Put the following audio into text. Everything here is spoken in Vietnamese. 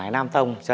nó không có